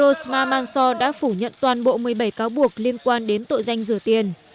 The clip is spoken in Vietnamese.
rosmah mansor đã phủ nhận toàn bộ một mươi bảy cáo buộc liên quan đến tội giành rửa tiền